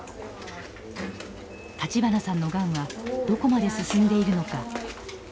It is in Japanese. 立花さんのがんはどこまで進んでいるのか。